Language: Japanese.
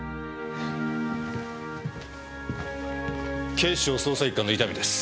警視庁捜査一課の伊丹です。